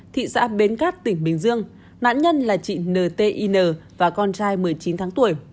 thị xã bến cát tỉnh bình dương nạn nhân là chị n t y n và con trai một mươi chín tháng tuổi